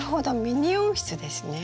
ミニ温室ですね。